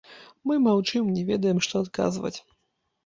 Мы маўчым, не ведаем, што адказваць.